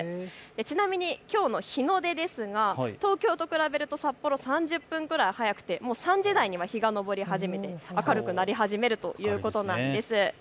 ちなみにきょうの日の出ですが東京と比べると札幌、３０分ぐらい早くて３時台には日が昇り始めて明るくなり始めるということなんです。